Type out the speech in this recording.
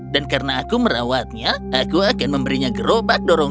dan karena aku merawatnya aku akan memberinya gerobak dorongku